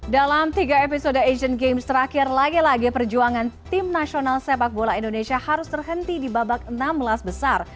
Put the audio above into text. dalam tiga episode asian games terakhir lagi lagi perjuangan tim nasional sepak bola indonesia harus terhenti di babak enam belas besar